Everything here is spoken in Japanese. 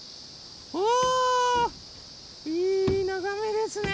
おおいいながめですね。